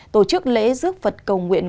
tổ chức lễ giúp phật cầu nguyện